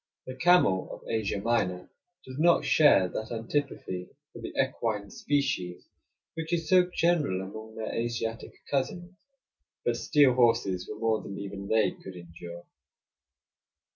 The camel of Asia Minor does not share that antipathy for the equine species which is so general among their Asiatic cousins; but steel horses were more than even they could endure.